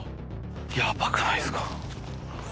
ヤバくないですか？